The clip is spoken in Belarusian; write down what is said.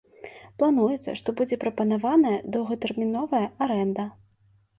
Плануецца, што будзе прапанаваная доўгатэрміновая арэнда.